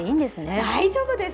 大丈夫です。